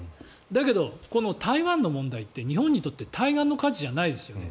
だけど、台湾の問題って日本にとって対岸の火事じゃないですよね。